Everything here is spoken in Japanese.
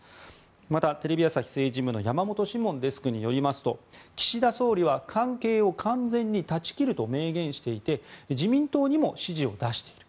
また、テレビ朝日政治部の山本志門デスクによりますと岸田総理は関係を完全に断ち切ると明言していて自民党にも指示を出している。